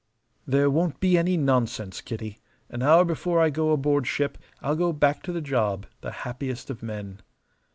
"There won't be any nonsense, Kitty. An hour before I go aboard my ship. I'll go back to the job the happiest of men.